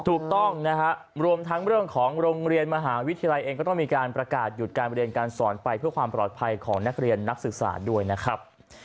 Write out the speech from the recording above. ถูกต้องนะฮะรวมทั้งเรื่องของโรงเรียนมหาวิทยาลัยเองก็ต้องมีการประกาศหยุดการเรียนการสอนไปเพื่อความปลอดภัยของนักเรียนนักศึกษาด้วยนะครับ